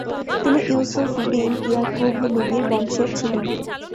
তিনি Yusuf bin Yakub নবীর বংশের ছিলেন।